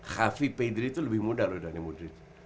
hafi pedri itu lebih muda loh dari mudrid